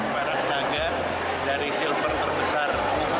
peran naga dari silver terbesar